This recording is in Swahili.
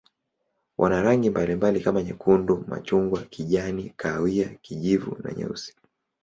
Wana rangi mbalimbali kama nyekundu, machungwa, kijani, kahawia, kijivu na nyeusi.